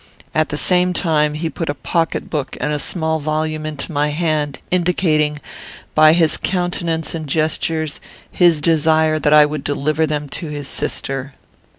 At the same time, he put a pocket book and small volume into my hand, indicating, by his countenance and gestures, his desire that I would deliver them to his sister.